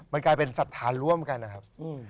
มันกลายเป็นศรัทธาร่วมกันนะครับ